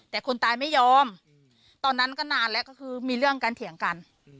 แต่คนตายไม่ยอมตอนนั้นก็นานแล้วก็คือมีเรื่องกันเถียงกัน